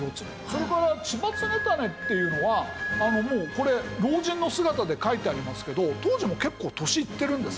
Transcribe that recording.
それから千葉常胤っていうのはこれ老人の姿で描いてありますけど当時も結構年いってるんですね。